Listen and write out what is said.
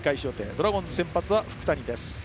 ドラゴンズの先発は福谷です。